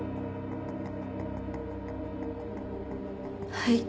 はい。